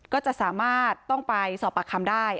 ก็จะสามารถต้องไปสอบปากคำได้